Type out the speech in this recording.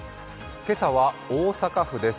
今朝は大阪府です。